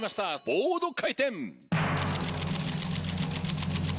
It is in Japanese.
ボード回転！